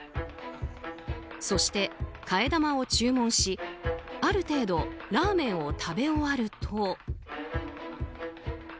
そして、替え玉を注文しある程度ラーメンを食べ終わると。